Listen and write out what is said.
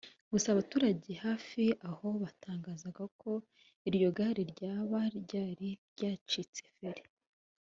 gusa abaturage hafi ho batangazaga ko iryo gare ryaba ryari ryacitse feri